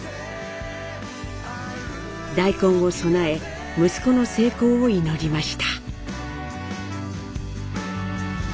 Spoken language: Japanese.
大根を供え息子の成功を祈りました。